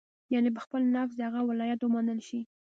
یعنې پر خپل نفس د هغه ولایت ومنل شي.